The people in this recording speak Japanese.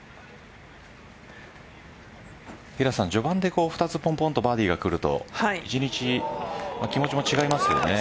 序盤で２つバーディーが来ると一日、気持ちも違いますよね。